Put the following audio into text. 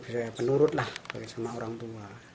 saya penurut lah bagi semua orang tua